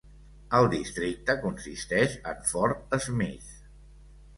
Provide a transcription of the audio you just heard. El districte consisteix en Fort Smith.